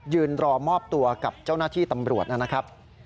ยืนรอมอบตัวกับเจ้าหน้าที่ตำรวจนะครับ